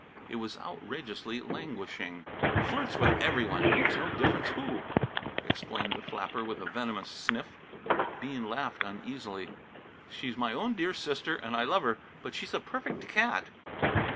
It was outrageously languishing. "Flirts with every one, makes no difference who!" explained the flapper with a venomous sniff. Bean laughed uneasily. "She's my own dear sister, and I love her, but she's a perfect cat!"